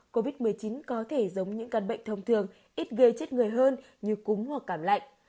covid một mươi chín có thể giống những căn bệnh thông thường ít gây chết người hơn như cúng hoặc cảm lạnh